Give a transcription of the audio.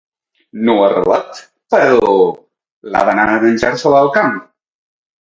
No ha arrelat, però, la d'anar a menjar-se-la al camp.